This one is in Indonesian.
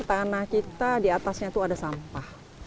tanah kita di atasnya itu ada sampah